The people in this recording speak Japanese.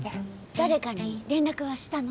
誰かに連絡はしたの？